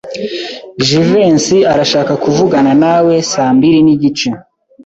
Jivency arashaka kuvugana nawe saa mbiri nigice.